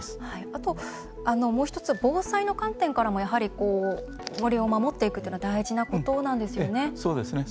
あと、防災の観点からも森を守っていくというのは大事なことなんですよね。